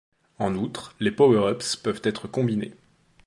En outre, les powerups peuvent être combinés.